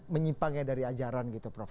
penjajaran gitu prof